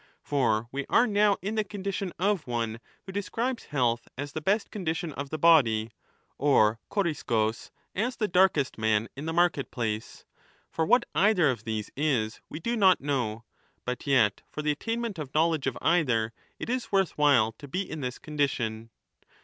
For we are now in the condition of one who describes health as the best condition of the body, or Coriscus as the darkest 20 man in the market place ; for what either of these is we do not know, but yet for the attainment of knowledge of either ^ it is worth while to be in this condition.